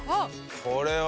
これは。